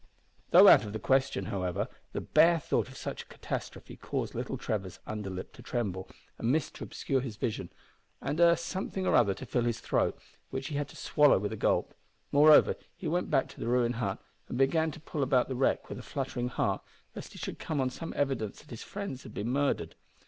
Though out of the question, however, the bare thought of such a catastrophe caused little Trevor's under lip to tremble, a mist to obscure his vision, and a something or other to fill his throat, which he had to swallow with a gulp. Moreover, he went back to the ruined hut and began to pull about the wreck with a fluttering heart, lest he should come on some evidence that his friends had been murdered.